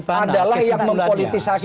adalah yang mempolitisasi